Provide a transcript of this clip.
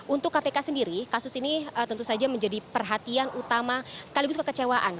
untuk kpk sendiri kasus ini tentu saja menjadi perhatian utama sekaligus kekecewaan